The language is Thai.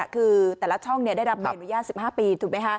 คือแต่ละช่องได้รับใบอนุญาต๑๕ปีถูกไหมคะ